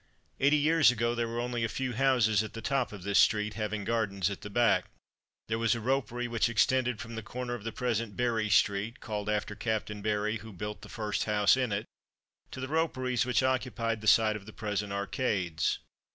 Eighty years ago, there were only a few houses at the top of this street, having gardens at the back. There was a ropery which extended from the corner of the present Berry street (called after Captain Berry, who built the first house in it), to the roperies which occupied the site of the present Arcades.